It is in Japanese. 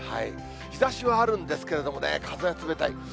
日ざしはあるんですけれどもね、風は冷たい。